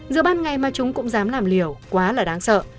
giữa ban ngày mà chúng cũng dám làm liều quá là đáng sợ